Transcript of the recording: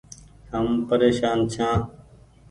هم پريشان ڇآن ۔